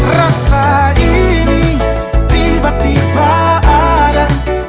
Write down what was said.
rasa ini tiba tiba ada